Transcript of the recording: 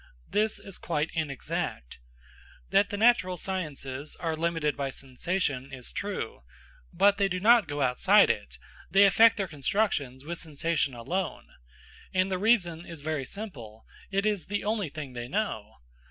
This is quite inexact. That the natural sciences are limited by sensation is true; but they do not go outside it, they effect their constructions with sensation alone. And the reason is very simple: it is the only thing they know.